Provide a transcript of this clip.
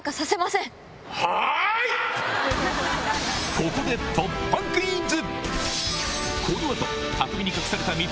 ここで突破クイズ！